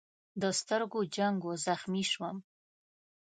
د سترګو جنګ و، زخمي شوم.